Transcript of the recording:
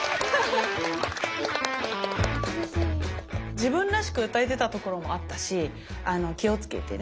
自分らしく歌えてたところもあったし気を付けてね